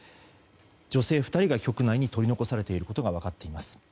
女性２人が局内に取り残されていることが分かっています。